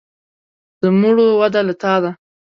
د مړو وده له تا ده.